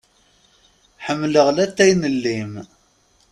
Ḥemmeleɣ llatay n llim.